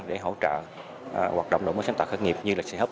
để hỗ trợ hoạt động đổi mới sáng tạo khởi nghiệp như là c hub